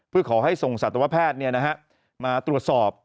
เพื่อขอให้ส่งสัตวแพทย์มาตรวจสอบ